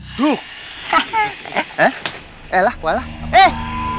ada apaan sih